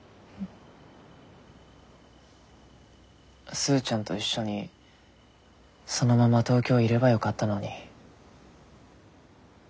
スーちゃんと一緒にそのまま東京いればよかったのに。